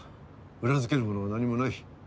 裏付けるものが何もない。